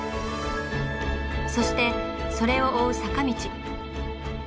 そしてそれを追う坂道。